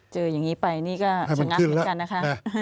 เจอแบบนี้ไปก็ชนะเหมือนกันนะคะ